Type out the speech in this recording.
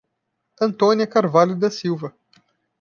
Antônia Carvalho da Silva